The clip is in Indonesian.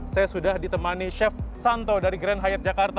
saya sudah ditemani chef santo dari grand hyat jakarta